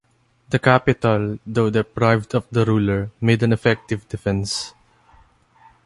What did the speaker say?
The capital, though deprived of the ruler, made an effective defense.